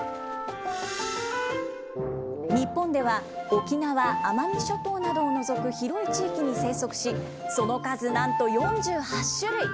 日本では沖縄・奄美諸島などを除く広い地域に生息し、その数なんと４８種類。